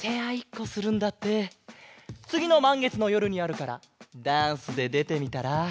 つぎのまんげつのよるにあるからダンスででてみたら？